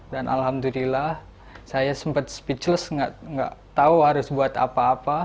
dan alhamdulillah saya sempat speechless nggak tahu harus buat apa apa